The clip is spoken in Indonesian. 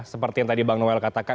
seperti yang tadi bang noel katakan